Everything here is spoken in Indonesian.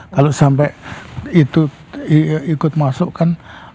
kalau sampai itu ikut masukkan